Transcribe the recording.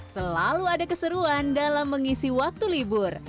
selalu ada keseruan dalam mengisi waktu libur